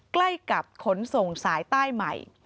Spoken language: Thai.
ใกล้กับขนส่งสายใต้ใหม่